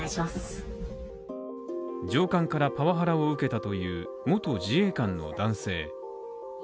上官からパワハラを受けたという元自衛官の男性。